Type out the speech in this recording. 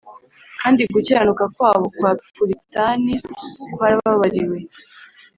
kandi gukiranuka kwabo kwa puritani kwarababariwe.